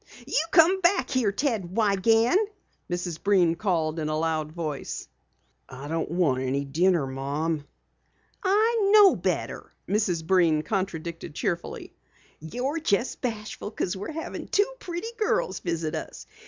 "You come back here, Ted Wiegand!" Mrs. Breen called in a loud voice. "I don't want any dinner, Mom." "I know better," Mrs. Breen contradicted cheerfully. "You're just bashful because we're having two pretty girls visit us.